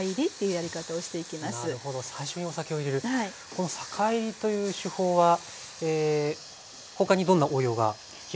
この酒いりという手法は他にどんな応用ができますか？